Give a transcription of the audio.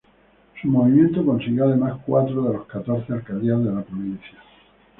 Su movimiento consiguió además cuatro de las catorce alcaldías de la provincia.